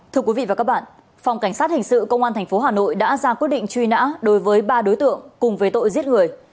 thưa quý vị và các bạn phòng cảnh sát hình sự công an tp hà nội đã ra quyết định truy nã đối với ba đối tượng cùng về tội giết người